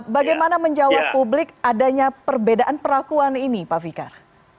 bagaimana menjawab publik adanya perbedaan perakuan ini pak fikar